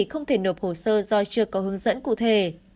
không thể nộp hồ sơ do chưa có hướng dẫn cụ thể